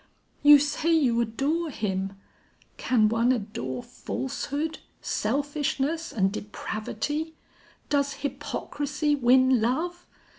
You say you adore him: can one adore falsehood, selfishness and depravity? Does hypocrisy win love?